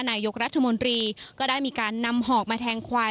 นายกรัฐมนตรีก็ได้มีการนำหอกมาแทงควาย